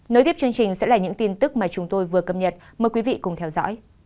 nối tiếp chương trình sẽ là những tin tức mà chúng tôi vừa cập nhật mời quý vị cùng theo dõi